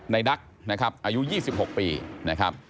นักนะครับอายุ๒๖ปีนะครับ